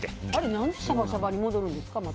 あれは何でシャバシャバに戻るんですか？